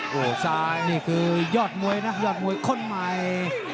โอ้โหซ้ายนี่คือยอดมวยนะยอดมวยคนใหม่